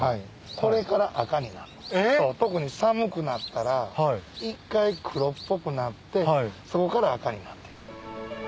これから赤になる特に寒くなったら一回黒っぽくなってそこから赤になっていく。